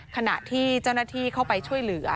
ขณะที่เจ้าหน้าที่เข้าไปช่วยเหลือ